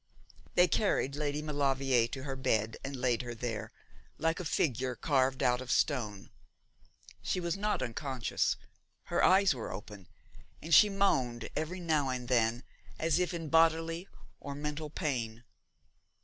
They carried Lady Maulevrier to her bed and laid her there, like a figure carved out of stone. She was not unconscious. Her eyes were open, and she moaned every now and then as if in bodily or mental pain.